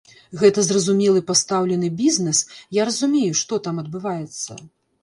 Гэта зразумелы пастаўлены бізнес, я разумею, што там адбываецца.